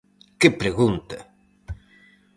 Que pregunta!